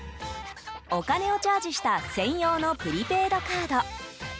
お金をチャージした専用のプリペイドカード。